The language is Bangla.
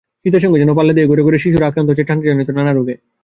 শীতের সঙ্গে যেন পাল্লা দিয়েই ঘরে ঘরে শিশুরা আক্রান্ত হচ্ছে ঠান্ডাজনিত নানা রোগে।